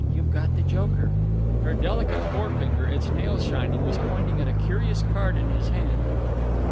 You've got the joker." Her delicate forefinger, its nail shining, was pointing at a curious card in his hand.